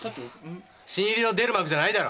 新入りの出る幕じゃないだろ。